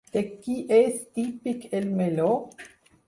De qui és típic el meló?